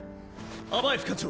アバーエフ艦長